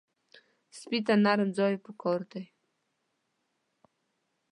سپي ته نرم ځای پکار دی.